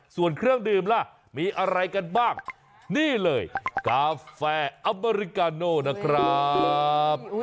ส่วนเครื่องดื่มล่ะมีอะไรกันบ้างนี่เลยกาแฟอเมริกาโน่นะครับ